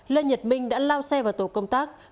lê nhật minh đã lao xe vào tổ công tác